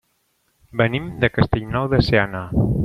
Venim de Castellnou de Seana.